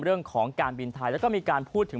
เรื่องของการบินไทยแล้วก็มีการพูดถึง